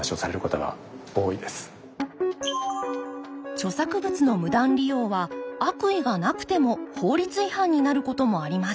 著作物の無断利用は悪意がなくても法律違反になることもあります。